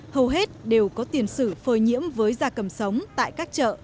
hầu hết đều có tiền sử phơi nhiễm với da cầm sống tại các chợ